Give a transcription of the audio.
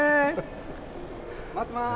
待ってます。